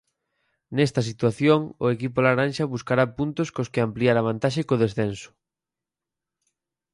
Nesta situación, o equipo laranxa buscará puntos cos que ampliar a vantaxe co descenso.